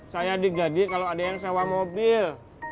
saya digadi kalau ada yang sewa mobil